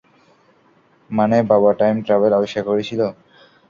মানে বাবা time travel আবিষ্কার করেছিল?